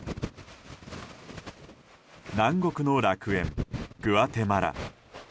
南国の楽園、グアテマラ。